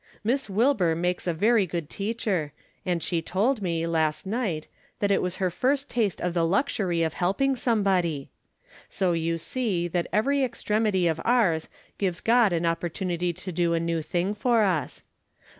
Miss Wilbur makes a very good teacher, and she told me, last night, that it was her first taste of the luxury of helping somebody! So you see that every extremity of ours gives God an opportunity to do a new thing for us.